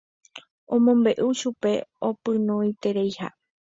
omombe'u chupe opynoitereiha